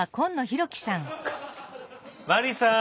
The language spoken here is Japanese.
マリーさん！